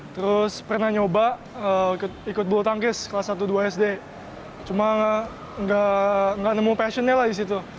terus pernah nyoba ikut bulu tangkis kelas satu dua sd cuma nggak nemu passionnya lah di situ